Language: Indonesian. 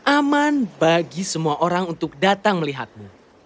aman bagi semua orang untuk datang melihatmu